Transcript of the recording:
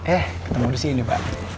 eh ketemu di sini pak